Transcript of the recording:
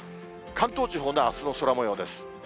関東地方のあすの空もようです。